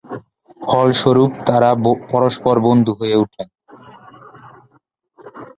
ফলস্বরূপ, তারা পরস্পর বন্ধু হয়ে ওঠেন।